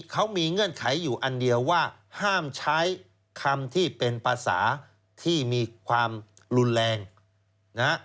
เขามีเงื่อนไขอยู่อันเดียวว่าห้ามใช้คำที่เป็นภาษาที่มีความรุนแรงนะฮะ